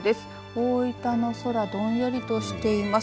大分の空どんよりとしています。